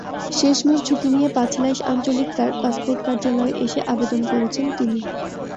শেষমেশ ঝুঁকি নিয়ে পাঁচলাইশ আঞ্চলিক পাসপোর্ট কার্যালয়ে এসে আবেদন করেছেন তিনি।